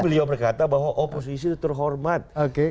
beliau berkata bahwa oposisi itu terhormat